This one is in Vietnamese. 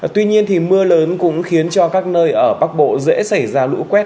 tuy nhiên thì mưa lớn cũng khiến cho các nơi ở bắc bộ dễ xảy ra lũ quét